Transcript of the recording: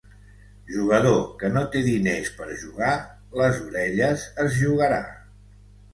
Jugador que no té diners per jugar, les orelles es jugarà.